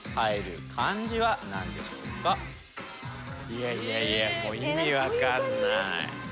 いやいやいやもう意味わかんない。